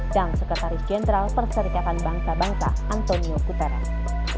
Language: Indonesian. dan sekretaris jenderal perserikatan bangsa bangsa antonio guterres